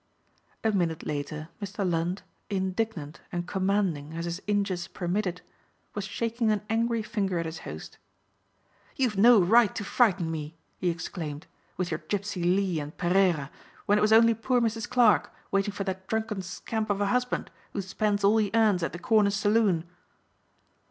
A minute later Mr. Lund, indignant and commanding as his inches permitted, was shaking an angry finger at his host. "You've no right to frighten me," he exclaimed, "with your Gipsey Lee and Pereira when it was only poor Mrs. Clarke waiting for that drunken scamp of a husband who spends all he earns at the corner saloon."